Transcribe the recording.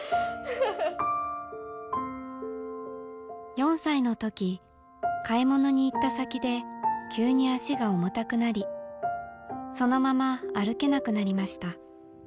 ４歳の時買い物に行った先で急に足が重たくなりそのまま歩けなくなりました。